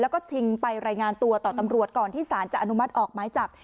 แล้วก็ชิงไปรายงานตัวต่อตำรวจก่อนที่สารจะอนุมัติออกไม้จับ